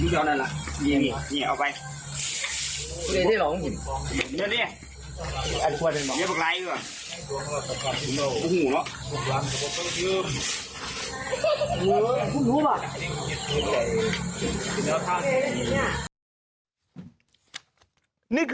โอ้โหลงไปว่ายอย่างนี้